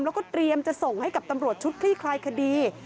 แล้วก็เตรียมจะส่งให้กับตำรวจชุดคลี่คลายคดี